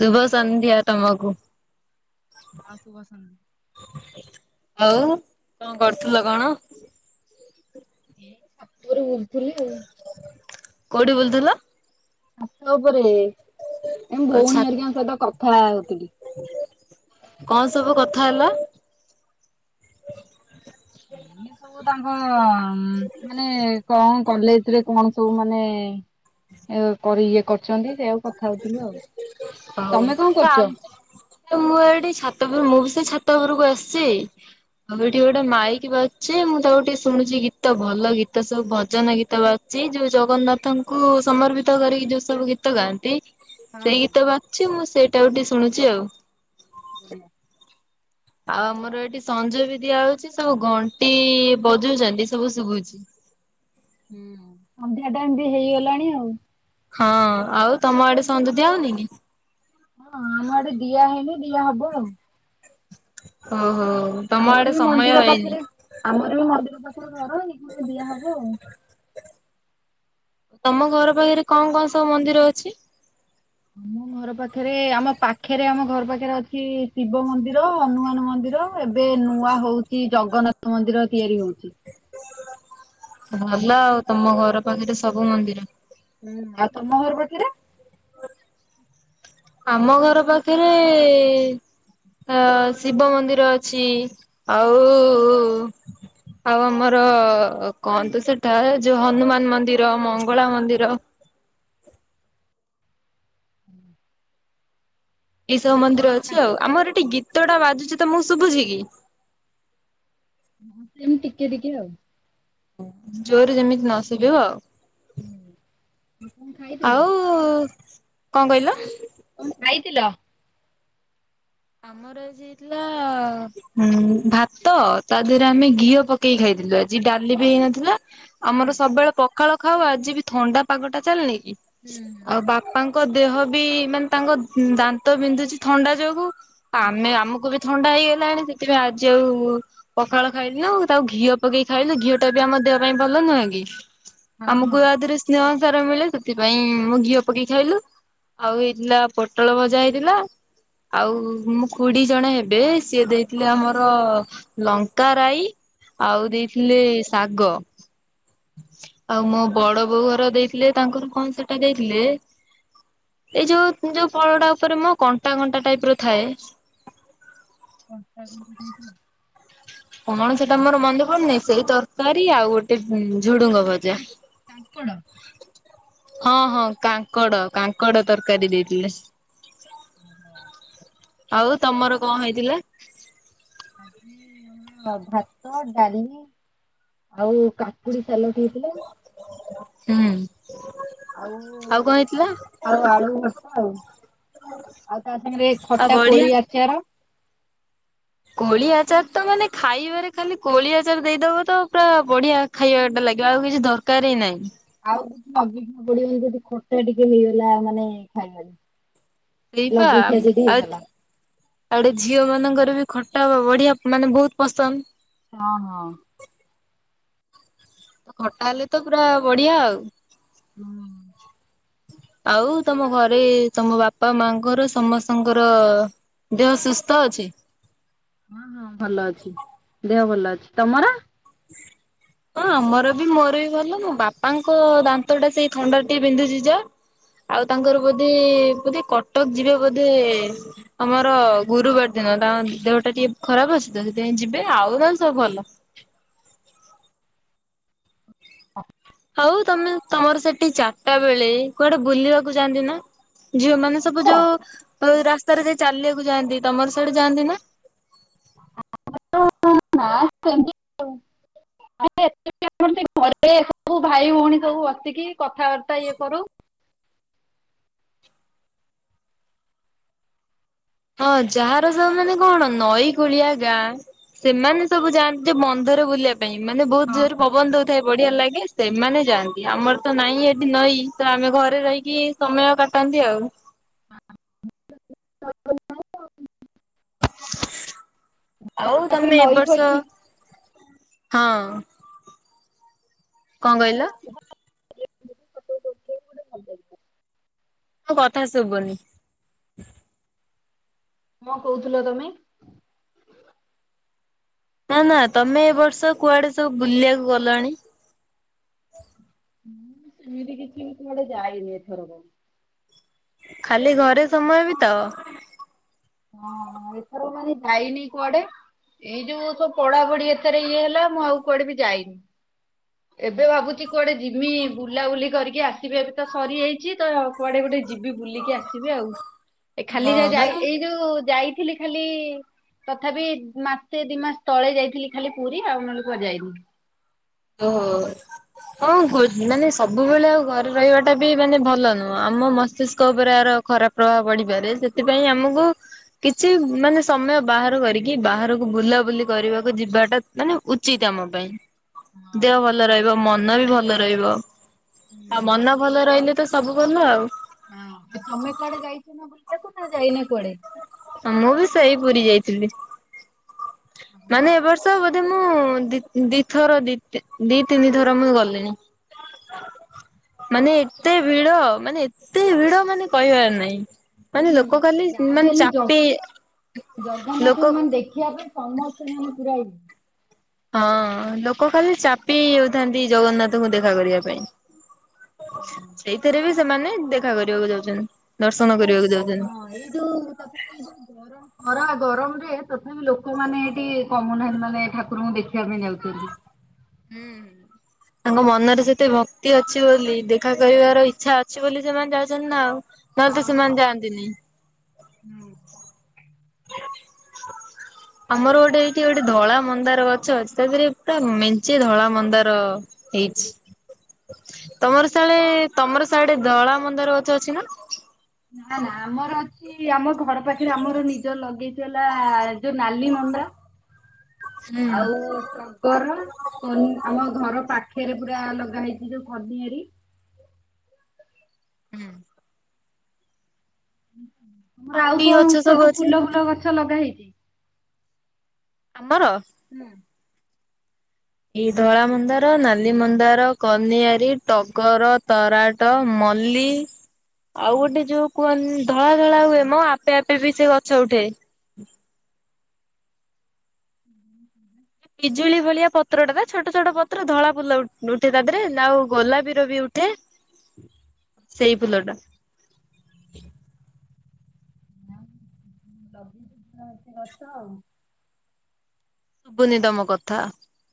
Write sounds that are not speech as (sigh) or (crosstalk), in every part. ଶୁଭ ସନ୍ଧ୍ୟା ତମକୁ। ହଁ ଶୁଭ ସନ୍ଧ୍ୟା। ଆଉ କଣ କରୁଥିଲ କଣ? ଏଇ ପୁଟିକରେ ବୁଲୁଥିଲି ଆଉ। କୋଉଠି ବୁଲୁଥିଲ? ଛାତ ଉପରେ, ମୋ ଓ ଛା ଭଉଣୀ ହେରିକାଙ୍କ ସହିତ କଥା କଣ ସବୁ କଥା ହେଲ? ଏଇ ସବୁ ତାଙ୍କ ମାନେ କଣ କଲେଜରେ କଣ ସବୁ ମାନେ ଏ କରି ଇଏ ଅଛନ୍ତି ସେୟାକୁ କଥା ହଉଥିଲୁ ଆଉ। ହଉ ତମେ କଣ ଆ କରୁଚ? ମୁଁ ଏଇଠି ଛାତ ଉପରେ ମୁଁ ବି ସେଇ ଛାତ ଉପୁରକୁ ଆସିଚି। ଆଉ ଏଠି ଗୋଟେ ମାଇକ ବାଜଚି ମୁଁ ତାକୁ ଟିକେ ଶୁଣୁଚି, ଗୀତ ଭଲ ଗୀତ ସବୁ ଭଜନ ଗୀତ ବାଜୁଚି ଚି, ଯୋଉ ଜଗନ୍ନାଥଙ୍କୁ ସମର୍ପିତ କରିକି ଯୋଉ ସବୁ ଗୀତ ଗୀତ ଗାଆନ୍ତି ହଁ ସେଇ ହଁ ଗୀତ ବାଜୁଚି। ମୁଁ ସେଇଟାକୁ ଟିକେ ଶୁଣୁଛି ଆଉ। ବଢିଆ। ଆଉ ଆମର ଏଠି ସଞ୍ଜ ବି ଦିଆହଉଚି, ସବୁ ଘଣ୍ଟି ବଜଉଚନ୍ତି ସବୁ ଶୁଭୁଛି। ଁ ହୁଁ ସନ୍ଧ୍ୟା ଟାଇମ ବି ହେଇଗଲାଣି ଆଉ। ହଁ ଆଉ ତମ ଆଡେ ସଞ୍ଜ ଦିଆ ହଉନି କି? ହଁ ଆମ ଆଡେ ଦିଆ ହେଇନି ଦିଆ ହବ ଆଉ। ଓହୋ। ତମ ଆଡେ ଆମର ବି ସମୟ ମନ୍ଦିର ହେଇନି। ପାଖରେ ଆମର ବି ମନ୍ଦିର ପାଖ ପାଖରେ ଘର (unintelligible) ଦିଆ ହବ ଆଉ। ତମ ଘର ପାଖରେ କଣ କଣ ସବୁ ମନ୍ଦିର ଅଛି? ଆମ ଘର ପାଖରେ ଆମ ପାଖରେ ଆମ ଘର ପାଖରେ ଅଛି ଶିବ ମନ୍ଦିର, ହନୁମାନ ମନ୍ଦି ର, ଏବେ ନୂଆ ହଉଛି ଜଗନ୍ନାଥ ମନ୍ଦିର ତିଆରି ହଉଛି। ଭଲ ଆଉ ତମ ଘର ପାଖରେ ସବୁ ମନ୍ଦିର। ହୁଁ। ଆଉ ତମ ଘର ପାଖରେ? ଆମ ଘର ପାଖେରେ ହ ଶିବ ମନ୍ଦିର ଅଛି ଆଉ ଆଉ ଆମର କଣ ତ ସେଟା ଯୋଉ ହନୁମାନ ମନ୍ଦିର, ମଙ୍ଗଳା ମନ୍ଦିର (inaudible) ହୁଁ ଏଇସବୁ ମନ୍ଦିର ଅଛି ଆଉ। ଆମର ଏଠି ଗୀତଟା ବାଜୁଛି ତମକୁ ଶୁଭୁଛି କି? ସେମତି ଟିକେ ଟିକେ ଆଉ। ଜୋରରେ ଯେମିତି ନ ଶୁଭିବ ଆଉ। ହୁଁ ଆଉ କଣ ଆଉ ଖାଇଥିଲ? ଆଉ କଣ କହିଲ? କଣ ଖାଇଥିଲ? ଆମର ଆଜି ହେଇଥିଲା ଉମ୍ ଭାତ, ତା ଦେହରେ ଆମେ ଘିଅ ପକେଇ ଖାଇ ଥିଲୁ ଆଜି ଡାଲି ବି ହେଇନଥିଲା, ହୁଁ ଆମର ସବୁବେଳେ ପଖାଳ ଖାଉ ଆଜି ବି ଥଣ୍ଡା ପାଗଟା ଚାଲିନି ହୁଁ ଆଉ ହୁଁ ବାପାଙ୍କ ଦେହ ବି ମାନେ ତାଙ୍କ ଦାନ୍ତ ବିନ୍ଧୁଛି ଥଣ୍ଡା ଯୋଗୁ, ଆମେ ଆମକୁ ବି ଥଣ୍ଡା ହେଇଗଲାଣି ସେଥିପାଇଁ ଆଜି ଆଉ ପଖାଳ ଖାଇଲି ନା ଆଉ, ତାକୁ ଘିଅ ପକେଇ ଖାଇଲି ଘିଅ ଟା ବି ଆମର ଦେହ ପାଇଁ ଭଲ ନୁହଁ କି? ହଁ ଆମକୁ ହଁ ଆ ଦେହରେ ସ୍ନେହ ସାର ମିଳେ, ସେଥିପାଇଁ ମୁଁ ଘିଅ ପକେଇ ଖାଇଲୁ ଆଉ ହେଇଥିଲା ପୋଟଳ ଭଜା ହେଇଥିଲା, ଆଉ ମୋ ଖୁଡି ଜଣ ହେବେ ସିଏ ଦେଇଥିଲେ ଆମର ଲଙ୍କା ରାଇ ଆଉ ଦେଇଥିଲେ ଶାଗ ଆଉ ମୋ ବଡବୋଉ ଘର ଦେଇଥିଲେ, ତାଙ୍କର କଣ ସେଟା ଦେଇଥିଲେ ଏଇ ଯୋଉ ଯୋଉ ଫଳଟା ଉପରେ ମ କଣ୍ଟା କଣ୍ଟା ଟାଇପର ଥାଏ କଣ୍ଟା (unintelligible) ଅମଳ ସେଟା ମୋର ମନେ ପଡ଼ୁନେଇ ସେଇ ତକାରୀ ଆଉ ଗୋଟେ ଉଁ ଝୁଡୁ଼ଙ୍ଗ ଭଜା। କାଙ୍କ- କାଙ୍କଡ଼ ହଁ ହଁ କାଙ୍କଡ଼ କାଙ୍କଡ଼ ତକାରୀ ବିଜନେସ୍। ଓହ। ଆଉ ତମର କଁ ହେଇଥିଲେ? ଆଜି ଆମର ଭାତ ଡାଲି ଆଉ କାକୁଡ଼ି ସାଲଟ୍ ହେଇଥିଲା। ନକାଏ ଆଉ ଆଉ ଆଳୁ ଭର୍ତ୍ତା ଆଉ। ଆଉ ତା ସାଙ୍ଗେରେ ଆଉ ଖଟା ବଢିଆ କୋଳି ଆଚାର। କୋଳି ଆଚାର ତ ମାନେ ଖାଇବାରେ ଖାଲି କୋଳି ଆଚାର ଦେଇଦବ ତ ପୁରା ବଢ଼ିଆ ଖାଇବାଟା ଲାଗିବା କିଛି ଦରକାର ହିଁ ନାଇଁ। ଅବିକୁ କୋଳି ଯଦି ଖଟା ଟିକେ ହେଇଗଲା ମାନେ ଖାଇବାରେ। ସେଇପା ଲଗେଇଖିଆ ଯଦି ହେଇଗଲା। ଆଉ ଓଟେ ଝିଅମାନଙ୍କର ବି ଖଟା ବଢ଼ିଆ ମାନେ ବୋହୁତ ପସନ୍ଦ। ହଁ ହଁ। ତ ଖଟା ହେଲେ ତ ପୁରା ବଢ଼ିଆ ଆଉ। ହୁଁ। ଆଉ ତମ ଘରେ ତମ ବାପା ମାଙ୍କର ସମସ୍ତଙ୍କର ଦେହ ସୁସ୍ଥ ଅଛି? ହଁ ହଁ ଭଲ ଅଛି ଦେହ ଭଲ ଅଛି। ତମର? ହଁ ଆମର ବି ମୋର ବି ଭଲ ମୋ ବାପାଙ୍କ ଦାନ୍ତଟା ସେଇ ଥଣ୍ଡାରୁ ଟିଏ ବିନ୍ଧୁଚି ଯା। ଆଉ ତାଙ୍କର ବୋଧେ ବୋଧେ କଟକ ଯିବେ ବୋଧେ ତମର ଗୁରୁବାର ଦି ନ ତାଙ୍କ ଦେହଟା ଟିକେ ଖରାପ ଅଛି ତ ସେଥିପାଇଁ ଯିବେ ଆଉ ନହଲେ ସବୁ ଭଲ। ଅ ହଉ ତମେ ତମର ସେଠି ଚାରଟା ବେଳେ କୁଆଡେ଼ ବୁଲିବାକୁ ଯାଆନ୍ତି ନାଁ? ଝିଅମାନେ ସବୁ ଯୋଉ ଅ ରାସ୍ ତାରେ ଯ ଚାଲିବାକୁ ଯାଆନ୍ତି ତମର ସ୍ୟାଡ଼େ ଯାଆନ୍ତି ନାଁ? ଆମର ନାଁ ସେମତି ଯେ ଏତେ ବି ଆମର ସେଇ ଘରେ ସବୁ ଭାଇ ଭୋଉଣୀ ସବୁ ବସିକି କଥାବାର୍ତ୍ତା ଇଏ କରୁ। ହଁ ଯାହାର ସବୁ ମାନେ କଣ ନଈ କୂଳିଆ ଗାଁ ସେମାନେ ସବୁ ଯାଆନ୍ତି ଯେ ବନ୍ଧରେ ବୁଲିଆ ପାଇଁ ମାନେ ବୋହୁତ ଜୋରେ ପବନ ଦୋଉଥାଏ ବଢ଼ିଆ ଲାଗେ ସେମାନେ ଯାଆନ୍ତି ଆମର ତ ନାଇଁ ଏଠି ନଈ। ତ ଆମେ ଘରେ ରହିକି ସମୟ କାଟନ୍ତି ଆଉ। (unintelligible) ଆଉ ପାଖରେ ତମେ ଏ ନଈ ଫଇ ବର୍ଷ ଥିବ ହଁ। କଁ କହିଲ? ଯେ ଯିବୁ ଫଟ ଉଟ ଗୋଟେ ଉଠେଇବୁ ଗୋଟେ ଭଲ୍ ଲାଗିବ। ଅ କଥା ଶୁବୁନି। ମ କୋହୁଥୁଲ ତମେ? ନାଁ ନାଁ ତମେ ଏ ବର୍ଷ କୁଆଡ଼େ ସବୁ ବୁଲିଆକୁ ଗଲଣି? ମୁଁ ସେମିତି କିଛି ବି କୁଆଡ଼େ ଯାଇନି ଏଥରକ। ଖାଲି ଘରେ ଏଇ ସମୟ ବିତାଅ? ହଁ ଏଥର ମାନେ ଯାଇନି କୁଆଡ଼େ। ଏଇ ଯୋଉ ସବୁ ପଢ଼ାପଢ଼ି ଏଥେରେ ଇଏ ହେଲା ମୁଁ ଆଉ କୁଆଡ଼େ ବି ଯାଇନି। ଏବେ ଭାବୁଚି କୁଆଡ଼େ ଯିମି ବୁଲାବୁଲି କରିକି ଆସିବି ଏବେ ତ ସରିଯାଇଚି ତ କୁଆଡ଼େ ଗୋ ଏ ଯିବି ବୁଲିକି ଆସିବି ଆଉ ଏ ଖାଲି ହଁ ଯାହା ମାନେ ଯାଇ ଉ ଯାଇଥିଲି ଖାଲି ତଥାପି ମାସେ ଦି ମାସ ତଳେ ଯାଇଥିଲି ଖାଲି ପୁରୀ ଆଉ ନେଲେ କୁଆଡ଼େ ଯାଇନି। ଓହୋ। ହଁ ଖୋଜ୍ ମାନେ ସବୁବେଳେ ଆଉ ଘରେ ରହିବାଟା ବି ମାନେ ଭଲ ନୁହଁ, ଆମ ମସ୍ତିଷ୍କ ଉପରେ ଆର ଖରାପ ପ୍ରଭାବ ପଡ଼ିପାରେ। ସେଥିପାଇଁ ଆମକୁ କିଛି ମାନେ ସମୟ ବାହାର କରିକି ବାହାରକୁ ବୁଲାବୁଲି କରିବାକୁ ଯିବାଟା ମାନେ ଉଚିତ ଆମ ପାଇଁ। ହଁ। ଦେହ ଭଲ ରହିବ, ମନ ବି ଭଲ ରହିବ, ଆଉ ହୁଁ। ମନ ଭଲ ରହିଲେ ତ ସେ ସବୁ ଭଲ ଆଉ। ହଁ ଆଉ ତମ କୁଆଡେ ଯାଇଚ ନା ବୁଲିଆକୁ ନା ଯାଇନେ କୁଆଡେ? ହୁଁ ମୁଁ ବି ସେଇ ପୁରୀ ଯାଇଥିଲି। ମାନେ ଏ ବର୍ଷ ବୋଧେ ମୁଁ ମୁଁ ଦି-ଦିଥର ଦି-ତି ଦି-ତିନି ଥର ମୁଁ ଗଲିଣି। ମାନେ ଏତେ ଭିଡ ମାନେ ଏତେ ଭିଡ ମାନେ କହିବାର ନାହିଁ। ମାନେ ହୁଁ। ଲୋକ କାଲି ଯାହା ବି ମାନେ ହେଲେ ଜ ଚାପି ହେଇ ଲୋକ ସମସ୍ତେ ମାନେ ପୁରା ଆଇ ହଁ ଲୋକ ଖାଲି ଚାପି ହେଇଯାଉଥାନ୍ତି ଜଗନ୍ନାଥଙ୍କୁ ଦେଖା କରିବା ପାଇଁ। ସେଇଥିରେ ବି ସେମାନେ ଦେଖା କରିବାକୁ ଯାଉଛନ୍ତି। ଦର୍ଶନ ତଥାପି କରିବାକୁ ଯାଉଛନ୍ତି। ହଁ। ଏଇ ଯୋଉ ତାପରେ ଏଇ ଯୋଉ ଗରମ ଖରା ଗରମରେ ତଥାପି ଲୋକମାନେ ଏଇଠି କମୁନାହାଁନ୍ତି ମାନେ ଠାକୁରଙ୍କୁ ଦେଖିବା ପାଇଁ ଯାଉଛନ୍ତି। ହୁଁ ହୁଁ। ତାଙ୍କ ମନରେ ସେତେ ଭକ୍ତି ଅଛି ବୋଲି, ଦେଖା କରିବାର ଇଚ୍ଛା ଅଛି ବୋଲି, ସେମାନେ ଯାଉଛନ୍ତି ନା ଆଉ। ନହେଲେ ତ ହଁ ହଁ। ସେମାନେ ଯାଆନ୍ତେନି। ହୁଁ। ଆମର ଗୋଟେ ଏଇଠି ଗୋଟେ ଧଳା ମନ୍ଦାର ଗଛ ଅଛି, ତା ଦେହରେ ପୁରା ମେଞ୍ଚେ ଧଳା ମନ୍ଦାର ହେଇଛି। ତମର ସାଳେ ତମର ସାଡେ ଧଳା ମନ୍ଦାର ଗଛ ଅଛି ନା? ନାଁ ନାଁ ଆମର ଅଛି ଆମ ଘର ପାଖରେ ଆମର ନିଜର ଲଗେଇଚୁ ହେଲା ଯୋଉ ନାଲି ମଣ୍ଡା ହୁଁ ଆଉ ଟଗର କନି ଆମ ଘର ପାଖେ ଖେରେ ପୁରା ଲଗା ହେଇଛି ଯୋଉ କନିଆରି ହୁଁ। ତମର ଆଉ କି କଣ ଗଛ ସବୁ ଅଛି ଫୁଲ ଫୁଲ ଗଛ ଲଗା ହେଇଛି? ଆମର? ହୁଁ ଏଇ ଧଳା ମନ୍ଦାର, ନାଲିମନ୍ଦାର, କନିଆରୀ, ଟଗର, ତରାଟ, ମ ମଲ୍ଲୀ ଆଉ ଗୋଟେ ଯୋଉ କୁହନ୍ ଧଳା ଧଳା ହୁଏ ମ ଆପେ ଆପେ ବି ସେ ଗଛ ଉଠେ। ପିଜୁଳି ଭଳିଆ ପତ୍ରଟା ତା ଛୋଟ ଛୋଟ ପତ୍ର ଧଳା ଫୁଲ ଉ-ଉଠେ ତା ଦେହରେ, ନା ଆଉ ଗୋଲାପୀର ବି ଫୁଟେ, ସେଇ ଫୁଲଟା। (unintelligible) ଶୁଭୁନି ତମ କଥା।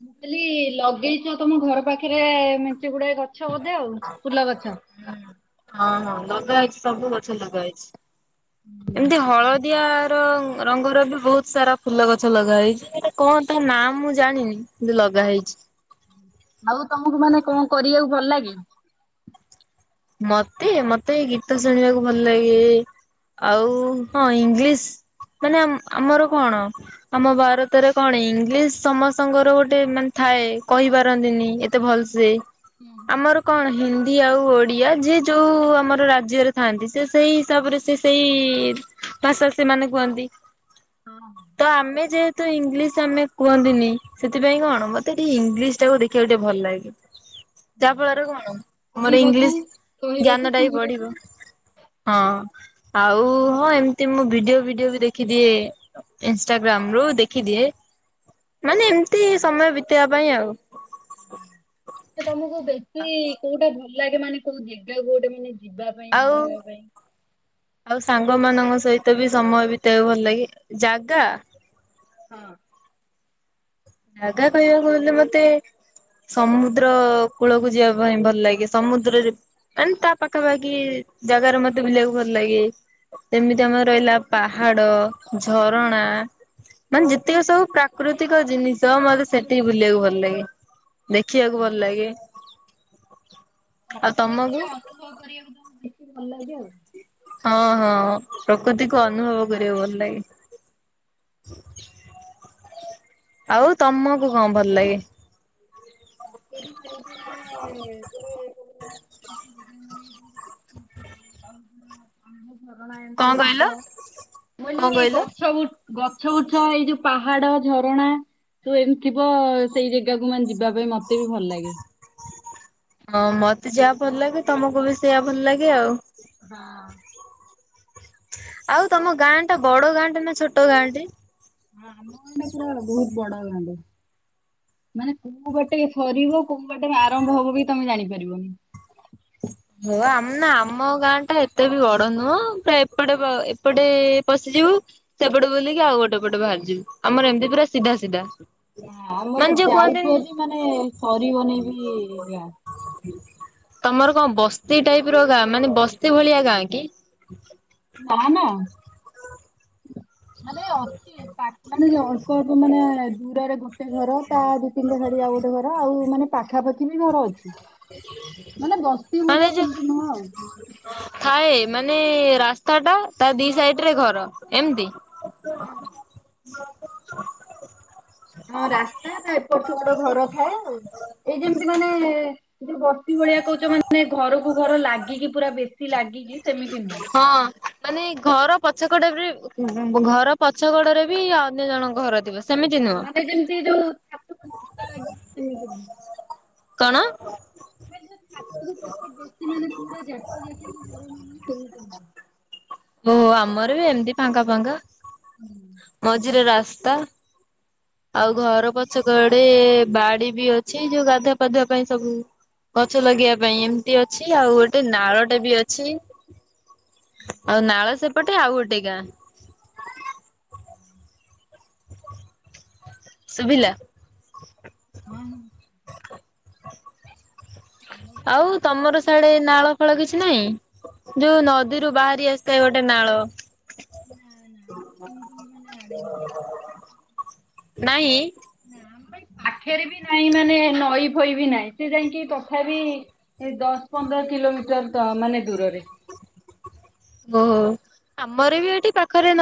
ମୁଁ କଇଲି ଲଗେଇଚ ତମ ଘର ପାଖରେ ମେଞ୍ଚେ ଗୁଡାଏ ଗଛ ବୋଧେ ଆଉ ଫୁଲ ଗଛ ହଁ ହଁ ଲଗା ହେଇଚି ସବୁ ଗଛ ଲଗା ହେଇଛି। ଏମତି ହଳଦିଆ ର ରଙ୍ଗର ବି ବହୁତ ସାରା ଫୁଲ ଗଛ ଲଗା ହେଇଛି, ସେଇଟା କଣ ତା ନାଁ ମୁଁ ଜାଣିନି କିନ୍ତୁ ଲଗା ହେଇଛି। ଆଉ ତମକୁ ମାନେ କଣ କରିବାକୁ ଭଲ ଲାଗେ? ମତେ ମତେ ଗୀତ ଶୁଣିବାକୁ ଭଲ ଲାଗେ ଆଉ ହଁ ଇଂଲିଶ ମାନେ ଆମ୍-ଆମର କଣ ଆମ ଭାରତରେ କଣ ଇଂଲିଶ ସମସ୍ତଙ୍କର ଗୋଟେ ମାନେ ଥାଏ ଥାଏ କହିପାରନ୍ତିନି ଏତେ ଭଲସେ, ଆମର କଣ ହିନ୍ଦୀ ଆଉ ଓଡିଆ ଯେ ଯୋଉ ଆମର ରାଜ୍ୟରେ ଥାନ୍ତି, ସେ ସେଇ ହିସାବରେ ସେ ସେଇ ଭାଷା ସେ ସେମାନେ କୁହନ୍ତି ତ ଆମେ ଯେହେ ତ ଇଂଲିଶ ଆମେ କୁହନ୍ତିନି, ସେଥିପାଇଁ କଣ ମତେ ଟିକେ ଇଂଲିଶ ଟାକୁ ଦେଖିବାକୁ ଟିକେ ଭଲ ଲାଗେ। ଯାହା ଫଳରେ କଣ ମୋର ଇଂଲିଶ ଜ୍ଞାନଟା ବି ବଢିବ, ହଁ। ଆଉ ହଁ ଏମତି ମୁଁ ଭିଡିଓ ଭିଡିଓ ବି ଦେଖି ଦିଏ, ଇନ୍ସ୍ତାଗ୍ରାମ ରୁ ଦେଖି ଦିଏ ମାନେ ଏମିତି ସମୟ ବିତେଇବା ପାଇଁ ଆଉ। ସେ ତମକୁ ବେଶୀ କୋଉଟା ଭଲ ଲାଗେ ମାନେ କୋଉ ଜେଗାକୁ ଗୋଟେ ମାନେ? ଯିବା ପାଇଁ ଆଉ ବୁଲିବା ପାଇଁ ଆଉ ସାଙ୍ଗମାନଙ୍କ ସହି ତ ବି ସମୟ ବିତେଇକୁ ଭଲ ଲାଗେ। ଜାଗା ହଁ। ଜାଗା କହିବାକୁ ଗଲେ ମତେ ସମୁଦ୍ର କୂଳକୁ ଯିବା ପାଇଁ ଭଲ ଲାଗେ, ସମୁଦ୍ରରେ ମାନ ତା ପାଖାପାଖି ଜାଗାରେ ମତେ ବୁଲିବାକୁ ଭଲ ଲାଗେ, ଯେମିତି ଆମର ରହିଲା ପାହାଡ, ଝରଣା ମାନେ ଯେତିକ ସବୁ ପ୍ରାକୃତିକ ଜିନି ଷ ମତେ ସେଟିକି ବୁଲିବାକୁ ଭଲ ଲାଗେ, ଦେଖିବାକୁ ଭଲ ଲାଗେ। ଆଉ ପ୍ରକୃତି କୁ ତମକୁ? ଟିକିଏ ଅନୁଭବ କରିବାକୁ ତମକୁ ବେଶି ଭଲ ଲା ହଁ- ହଁ ପ୍ର କୃତିକୁ ଅନୁଭବ କରିବାକୁ ଭଲ ଲାଗେ। ଆଉ ତମକୁ କଣ ଭଲ ଲାଗେ? ମତେ ବି ସେମିତି ମାନେ (unintelligible) (unintelligible) ମାନେ କଣ ଯୋଉଠି ଗଛ କହିଲ ବୁଛ ଥିବ (unintelligible) ମୁଁ କଣ କହିଲି କହିଲ? ଗଛ ବୃ ଗଛ ବୁଛ ଏଇ ଯୋଉ ପାହାଡ ଝରଣା ସବୁ ଏମିତିଥିବ, ସେଇ ଜାଗାକୁ ମାନେ ଯିବା ଯିବା ପାଇଁ ମତେ ବି ଭଲ ଲାଗେ। ହଁ ମତେ ଯାହା ଭଲ ଲାଗେ, ତମକୁ ବି ସେଇଆ ଭଲ ଲାଗେ ଆଉ। ହଁ। ଆଉ ତମ ଗାଁଟା ବଡ ଗାଁଟେ ନା ଛୋଟ ଗାଁ ଟି? ଗାଁଟା ପୁରା ବହୁତ ବଡ ଗାଁ ଟା। ମାନେ କୋଉ ବାଟେ ସରିବ କୋଉ ବାଟେ ଆରମ୍ଭ ହବ ବି ତମେ ଜାଣିପାରିବନି। ହ ହ ଆମ ନା ଆମ ଗାଁ ଟା ଏତେ ବି ବଡ ନୁହଁ ତା ଏପଟେ ଏପଟେ ପଶି ଯିବୁ ସେପଟେ ବୁଲିକି ଆଉ ଗୋଟେ ପଟେ ବାହାରିଯିବୁ, ଆମର ଏମିତି ପୁରା ସିଧା ସିଧା। ନା ମାନେ ଆମର ଯୋଉ ଯାଉଛୁ କୁହନ୍ତିନି ଯଦି ମାନେ ସରିବନେଇ ବି ଗାଁ। ତମର କଣ ବସ୍ତି ଟାଇପର ଗାଁ, ମାନେ ବସ୍ତି ଭଳିଆ ଗାଁ କି? ନାଁ - ନାଁ। ମାନେ ଅଛି ପା ମାନ ଅଳ୍ପ ଅଳ୍ପ ମାନେ ଦୂରରେ ଘ୍ ଗୋଟେ ଘର ତା ଦି ତିନିଟା ଛାଡ଼ି ଆଉ ଗୋଟେ ଘର ଆଉ ମାନେ ପାଖାପାଖି ବି ଘର ଅଛି। ମାନେ ବସ୍ତି ମାନେ ଭଳିଆ ଯୋଉ ସେମିତି ନୁହଁ ଆଉ। ଥାଏ, ମାନେ ରାସ୍ତା ଟା ତା ଦି ସାଇଡ ରେ ଘର ଏମିତି? ଆ ହଁ ରାସ୍ତା ତା ଏପଟ ସେପଟ୍ ଘର ଥାଏ ଆଉ, ଏଇ ଯେମିତି ମାନେ ଯ ଯୋଉ ବସ୍ତି ଭଳିଆ କହୁଛ ମାନେ ଘରକୁ ଘର ଲାଗିକି ପୁରା ବେଶୀ ଲାଗିିକି ହଁ ମାନେ ଘର ପଛ କଡ଼ରେ ଘର ପଛ କଡରେ ବି ଆଉ ଅନ୍ୟ ଜଣଙ୍କ ଘର ଥିବ। ସେମିତି ହଁ ନୁହଁ ମାନେ ଯେମିତି ଯୋଉ ଛାତକୁ ଛାତ ଲାଗି ସେମତି। କଣ? (unintelligible) ବେଶି ଛାତ ମାନେ ପୁରା ଜାକି ଜାକି ଘର ମାନେ ସେମିତି। ଓହୋ ଆମର ବି ଏମିତି ଫାଙ୍କା ଫାଙ୍କା, ମଝିରେ ରାସ୍ତା। ଆଉ ଘର ପଛ କ ଆଡେ ବାଡି ବି ଅଛି, ଯୋଉ ଗାଧୁଆ ପାାଧୁଆ ପାଇଁ ସବୁ। ଗଛ ଲଗେଇବା ପାଇଁ ଏମିତି ଅଛି, ଆଉ ଗୋଟେ ନାଳଟା ବି ଅଛି। ଆଉ ନାଳ ସେପଟେ ଆଉ ଗୋଟେ ଗାଁ। ଶୁଭିଲା! ହଁ। ହ ଆଉ ତମର ସାଡେ ନାଳ ଫାଳ କିଛି ନାଇଁ, ଯୋଉ ନଦୀରୁ ବାହାରି ଆସିଥାଏ ଗୋଟେ ନାଳ। ନା ନା ଆମର ସେମିତି, ମାନେ ଆଡ଼େ ନାହିଁ। ନାଇଁ-ଇ। ପାଖରେ ବି ନାହିଁ। ମାନେ ନଈ ଫଇ ବି ନାହିଁ। ସେ ଯାଇଁକି ତଥାପି ଦଶ ପନ୍ଦର କିଲୋମିଟର ତ ମାନେ ଦୂରରେ। ଓହୋ। ଆମର ବି ଏଠି ପାଖରେ ନା